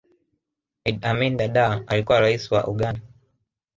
idd amin dada alikuwa raisi wa uganda